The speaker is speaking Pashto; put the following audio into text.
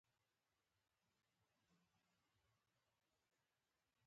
پسرلی د افغانستان د سیاسي جغرافیه برخه ده.